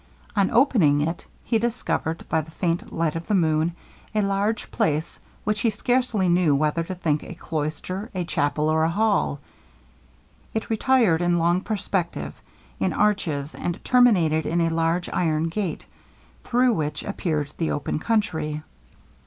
On opening it he discovered, by the faint light of the moon, a large place which he scarcely knew whether to think a cloister, a chapel, or a hall. It retired in long perspective, in arches, and terminated in a large iron gate, through which appeared the open country.